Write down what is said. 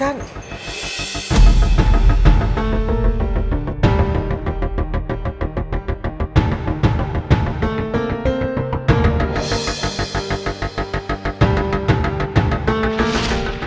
ya bener put